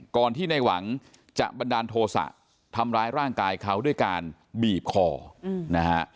ก่อนที่ในหวังจะบันดาลโทษะทำร้ายร่างกายเขาด้วยการบีบคอนะฮะ